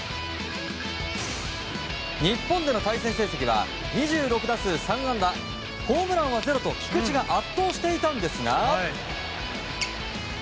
日本での対戦成績は２６打数３安打ホームランはゼロと菊池が圧倒していたんですが。